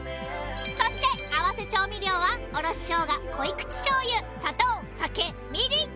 そして合わせ調味料はおろしショウガ濃口しょうゆ砂糖酒みりん